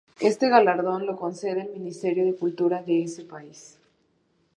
Este galardón lo concede el Ministerio de Cultura de ese país.